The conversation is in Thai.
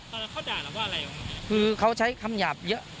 ตอนนั้นเขาด่าเราว่าอะไรคือเขาใช้คำหยาบเยอะ